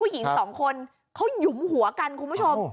หญิงสองคนเขาหยุมหัวกันคุณผู้ชม